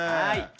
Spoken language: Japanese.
はい。